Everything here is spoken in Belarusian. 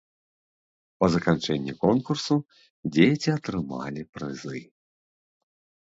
Па заканчэнні конкурсу дзеці атрымалі прызы.